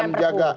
kita akan jaga